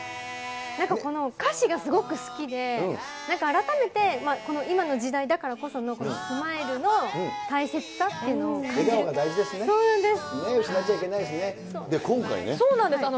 なんかこの歌詞がすごく好きで、なんか、改めて、この今の時代だからこそのこのスマイルの大切さっていうのを感じ笑顔が大事ですね。